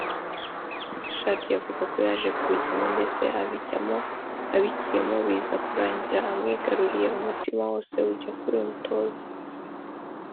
" Chadia avuga ko yaje kubijyamo ndetse abijyamo abigiyemo biza kurangira amwigaruriye umutima wose ujya kuri uyu mutoza